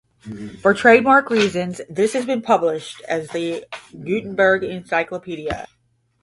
For trademark reasons this has been published as the "Gutenberg Encyclopedia".